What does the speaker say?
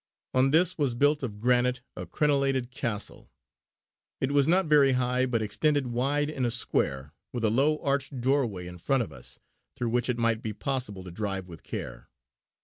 On this was built of granite, a crenelated castle. It was not very high, but extended wide in a square, with a low arched doorway in front of us through which it might be possible to drive with care.